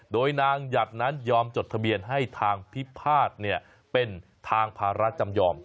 โดยนางหยัดนั้นยอมจดทะเบียนให้ทางพิพาทเป็นทางภาระจำยอม